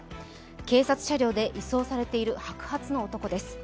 警察車両で移送されている白髪の男です。